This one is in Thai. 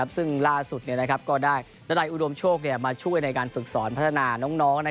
ซึ่งล่าสุดก็ได้ดันัยอุดมโชคมาช่วยในการฝึกสอนพัฒนาน้อง